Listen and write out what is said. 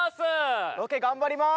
ロケ頑張ります！